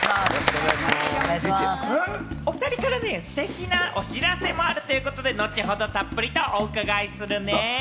おふたりからステキなお知らせもあるということで後ほどたっぷりとお伺いするね。